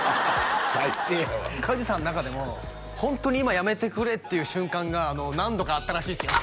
最低やわ梶さんの中でもホントに今やめてくれっていう瞬間が何度かあったらしいですよ